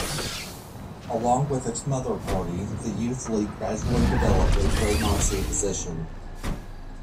Along with its mother party, the youth league gradually developed a pro-Nazi position.